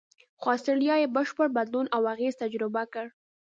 خو استرالیا یې بشپړ بدلون او اغېز تجربه کړ.